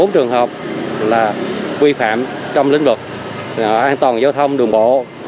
bốn trường hợp là vi phạm trong lĩnh vực an toàn giao thông đường bộ